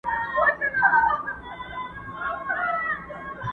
چي ډوب تللی وو د ژوند په اندېښنو کي.!